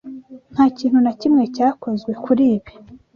Nta kintu na kimwe cyakozwe kuri ibi?